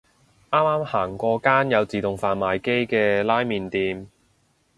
啱啱行過間有自動販賣機嘅拉麵店